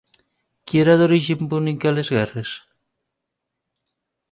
Qui era d'origen púnic a les guerres?